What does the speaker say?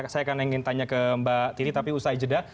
saya akan ingin tanya ke mbak titi tapi usai jeda